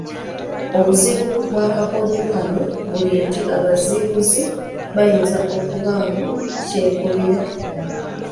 Obuzibu bw’akakodyo kano buli nti abazibuzi bayinza okubaamu kyekubiira.